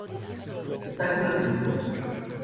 Espectáculo Tributos.